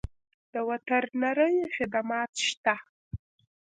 د وترنرۍ خدمات شته؟